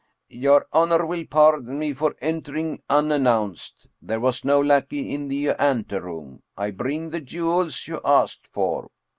" Your honor will pardon me for entering unannounced, there was no lackey in the anteroom. I bring the jewels you asked for."